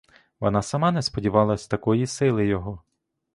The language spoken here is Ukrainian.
Вона сама не сподівалась такої сили його.